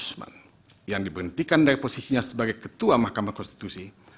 dan pak usman yang diberhentikan dari posisinya sebagai ketua mahkamah konstitusi